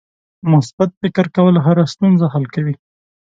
مثبت فکر کول هره ستونزه حل کوي.